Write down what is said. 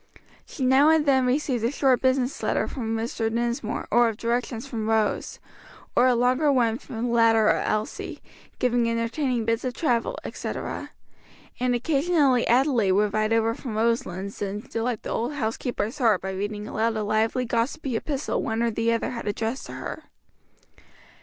She now and then received a short business letter from Mr. Dinsmore or of directions from Rose; or a longer one from the latter or Elsie, giving entertaining bits of travel, etc.; and occasionally Adelaide would ride over from Roselands and delight the old housekeeper's heart by reading aloud a lively gossipy epistle one or the other had addressed to her.